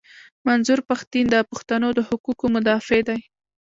منظور پښتین د پښتنو د حقوقو مدافع دي.